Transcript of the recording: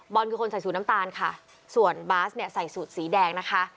คือคนใส่สูตรน้ำตาลค่ะส่วนบาสเนี่ยใส่สูตรสีแดงนะคะ